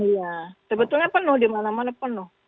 jadi iya kebetulan penuh di mana mana penuh